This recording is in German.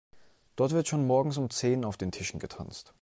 Dort wird schon morgens um zehn auf den Tischen getanzt.